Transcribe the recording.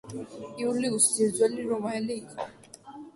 იულიუსი ძირძველი რომაელი იყო.